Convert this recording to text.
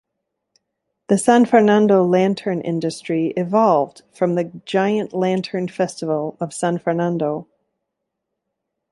The San Fernando lantern industry evolved from the Giant Lantern Festival of San Fernando.